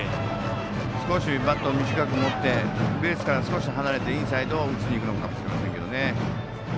少しバットを短く持ってベースから離れてインサイドを打ちにいくのかもしれませんけどね。